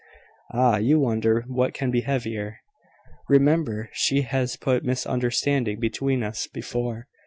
Ah! you wonder what can be heavier. Remember she has put misunderstanding between us before."